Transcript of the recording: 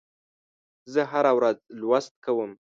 زه هره ورځ لوست کوم.